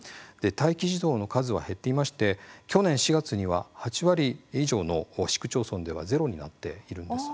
待機児童の数は減っていまして去年４月には８割以上の市区町村ではゼロになっているんです。